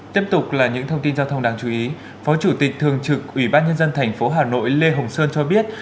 tiếp tục là những thông tin giao thông đáng chú ý phó chủ tịch thường trực ủy ban nhân dân thành phố hà nội lê hồng sơn cho biết